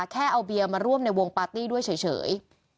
แค่เอาเบียร์มาร่วมในวงปาร์ตี้ด้วยเฉย